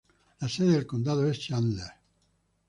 La sede del condado es Chandler.